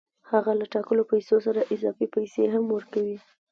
هغه له ټاکلو پیسو سره اضافي پیسې هم ورکوي